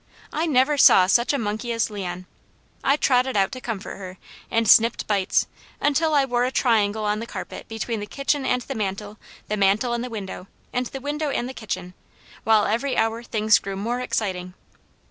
I never saw such a monkey as Leon! I trotted out to comfort her, and snipped bites, until I wore a triangle on the carpet between the kitchen and the mantel, the mantel and the window, and the window and the kitchen, while every hour things grew more exciting.